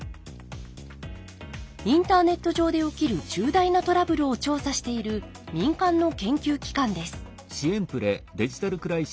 インターネット上で起きる重大なトラブルを調査している民間の研究機関です。